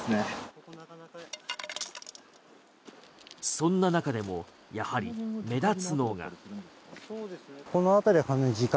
そんな中でもやはり目立つのが。